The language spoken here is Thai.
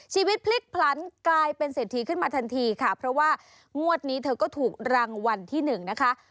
ชีวิตพลิกผลันกลายเป็นเศรษฐีขึ้นมาทันทีค่ะเพราะว่างวดนี้เธอก็ถูกรางวัลที่หนึ่งนะคะ